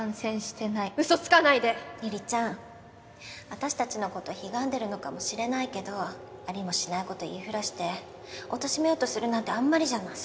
私たちのことひがんでるのかもしれないけどありもしないこと言い触らしておとしめようとするなんてあんまりじゃない。